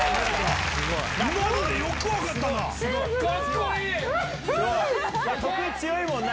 今のでよく分かったな。